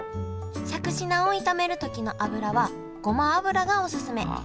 しゃくし菜を炒める時の油はごま油がおすすめ。